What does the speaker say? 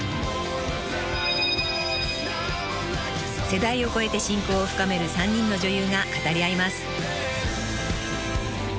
［世代を超えて親交を深める３人の女優が語り合います］